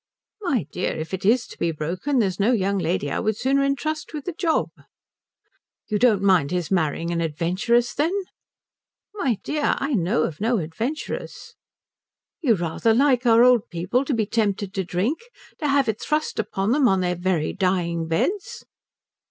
"My dear, if it is to be broken there is no young lady I would sooner entrust with the job." "You don't mind his marrying an adventuress, then?" "My dear, I know of no adventuress." "You rather like our old people to be tempted to drink, to have it thrust upon them on their very dying beds?"